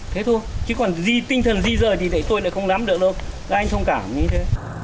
thế thôi chứ còn tinh thần di rời thì tôi lại không nắm được đâu các anh thông cảm như thế